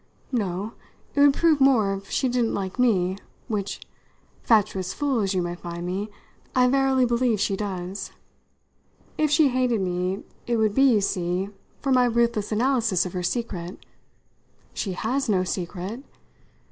"No. It would prove more if she didn't like me, which fatuous fool as you may find me I verily believe she does. If she hated me it would be, you see, for my ruthless analysis of her secret. She has no secret.